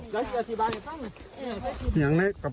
อย่าเปลักอย่าติดต่ำ